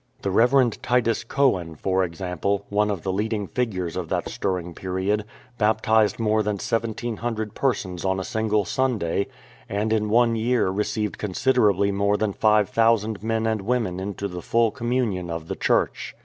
The Rev. Titus Coan, for example, one of the leading figures of that stirring period, baptized more than 1700 persons on a single Sunday, and in one year received considerably more than 5000 men and women into the full communion of the Church.